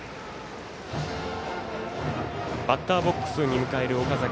バッターボックスに迎える岡崎。